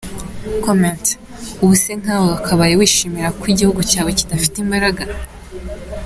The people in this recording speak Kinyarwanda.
Comment: Ubu se nkawe wakabaye wishimira ko igihugu cyawe kidafite imbaraga?